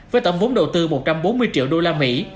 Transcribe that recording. với tổng vốn đầu tư một trăm bốn mươi triệu đô la mỹ